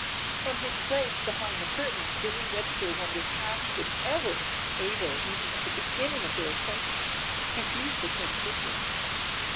From his place behind the curtain Billy Webster wonders how he was ever able even at the beginning of their acquaintance to confuse the twin sisters.